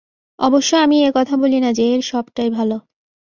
অবশ্য আমি এ-কথা বলি না যে, এর সবটাই ভাল।